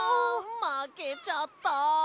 まけちゃった。